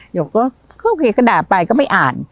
หยกก็โอเคก็ด่าไปก็ไม่อ่าน